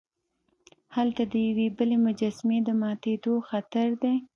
هلته د یوې بلې مجسمې د ماتیدو خطر دی.